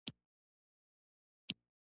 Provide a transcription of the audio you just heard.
حیوانات ځینې وختونه د ګرمۍ نه تښتي.